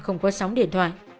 không có sóng điện thoại